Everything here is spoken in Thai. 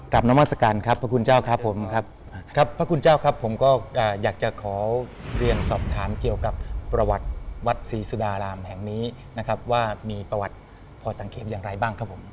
นามัศกาลครับพระคุณเจ้าครับผมครับครับพระคุณเจ้าครับผมก็อยากจะขอเรียนสอบถามเกี่ยวกับประวัติวัดศรีสุดารามแห่งนี้นะครับว่ามีประวัติพอสังเกตอย่างไรบ้างครับผม